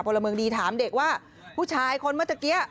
พลเมืองดีถามเด็กว่าผู้ชายคนเมื่อตะกี้